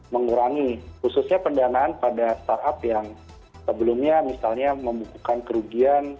mengurangi khususnya pendanaan pada startup yang sebelumnya misalnya membukukan kerugian